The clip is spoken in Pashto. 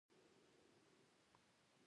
• واده د ژوند اوږدمهاله پلان دی.